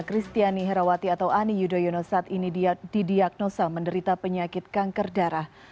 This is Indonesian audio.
kristiani herawati atau ani yudhoyono saat ini didiagnosa menderita penyakit kanker darah